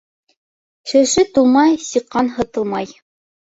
Шеше тулмай сиҡан һытылмай.